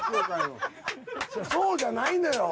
そうじゃないのよ。